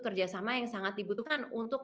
kerjasama yang sangat dibutuhkan untuk